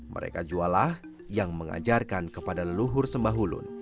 mereka juallah yang mengajarkan kepada leluhur sembahulun